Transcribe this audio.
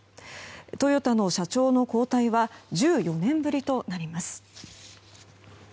トヨタの社長の交代は１４年ぶりとなります。